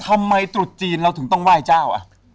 ตรุษจีนเราถึงต้องไหว้เจ้า